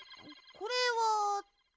これはっと。